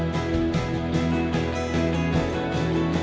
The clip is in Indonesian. pertama s gamb bio